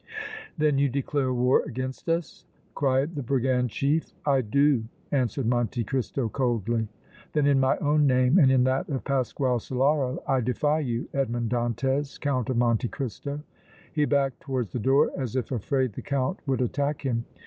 "Then you declare war against us?" cried the brigand chief. "I do!" answered Monte Cristo, coldly. "Then in my own name and in that of Pasquale Solara, I defy you, Edmond Dantès, Count of Monte Cristo!" He backed towards the door as if afraid the Count would attack him.